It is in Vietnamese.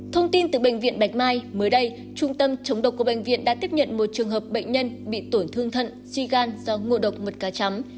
thông tin từ bệnh viện bạch mai mới đây trung tâm chống độc của bệnh viện đã tiếp nhận một trường hợp bệnh nhân bị tổn thương thận suy gan do ngộ độc mật cá chấm